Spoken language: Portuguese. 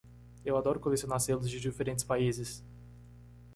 Eu adoro colecionar selos de diferentes países.